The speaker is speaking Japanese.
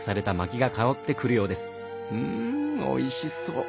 うんおいしそう。